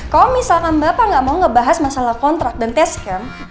kalau misalkan bapak nggak mau ngebahas masalah kontrak dan tes camp